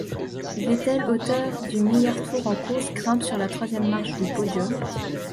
Vettel, auteur du meilleur tour en course, grimpe sur la troisième marche du podium.